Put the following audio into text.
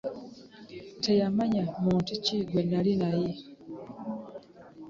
Teyamanya muntu ki gwe nnali naye.